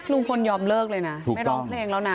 ลุงพลยอมเลิกเลยนะไม่ร้องเพลงแล้วนะ